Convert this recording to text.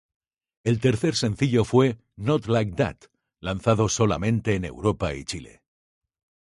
El tercer sencillo fue "Not Like That" lanzado solamente en Europa y Chile.